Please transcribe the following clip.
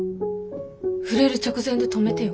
触れる直前で止めてよ。